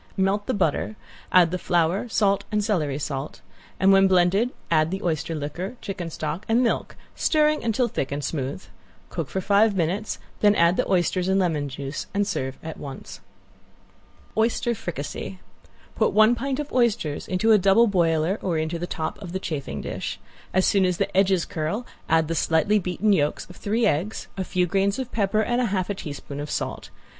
Melt the butter, add the flour, salt and celery salt, and when blended add the oyster liquor, chicken stock and milk, stirring until thick and smooth. Cook for five minutes, then add the oysters and lemon juice, and serve at once. ~OYSTER FRICASSE~ Put one pint of oysters into a double boiler or into the top of the chafing dish. As soon as the edges curl add the slightly beaten yolks of three eggs, a few grains of pepper and half a teaspoon of salt.